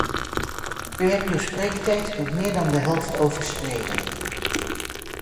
U hebt uw spreektijd met meer dan de helft overschreden.